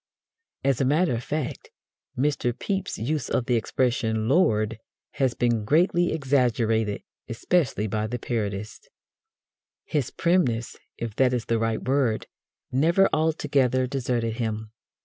As a matter of fact, Mr. Pepys's use of the expression "Lord!" has been greatly exaggerated, especially by the parodists. His primness, if that is the right word, never altogether deserted him.